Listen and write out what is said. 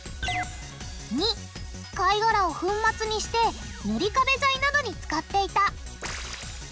②貝がらを粉末にして塗り壁材などに使っていた。